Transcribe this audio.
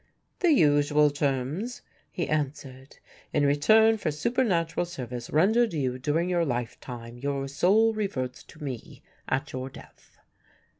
"The usual terms," he answered. "In return for supernatural service rendered you during your lifetime, your soul reverts to me at your death."